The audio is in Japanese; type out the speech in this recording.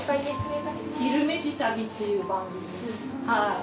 はい。